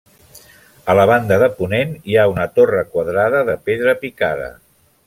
A la banda de ponent hi ha una torre quadrada de pedra picada.